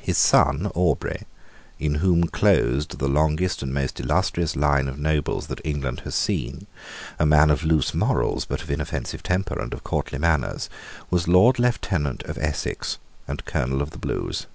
His son Aubrey, in whom closed the longest and most illustrious line of nobles that England has seen, a man of loose morals, but of inoffensive temper and of courtly manners, was Lord Lieutenant of Essex, and Colonel of the Blues.